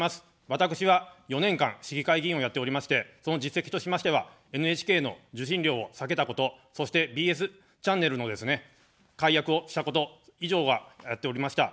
私は４年間、市議会議員をやっておりまして、その実績としましてはＮＨＫの受信料を下げたこと、そしてＢＳチャンネルのですね、解約をしたこと、以上は、やっておりました。